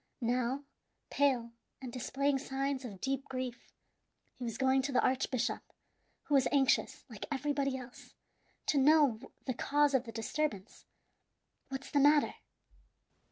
Now, pale and displaying signs of deep grief, he was going to the archbishop, who was anxious, like everybody else, to know the cause of the disturbance. "What's the matter?"